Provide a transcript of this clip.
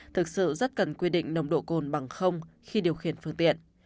thực sự rất cần quy định nồng độ cồn bằng không khi điều khiển phương tiện